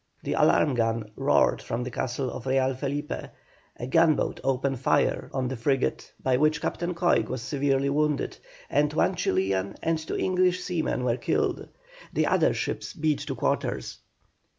The alarm gun roared from the castle of Real Felipe; a gunboat opened fire on the frigate, by which Captain Coig was severely wounded, and one Chilian and two English seamen were killed. The other ships beat to quarters.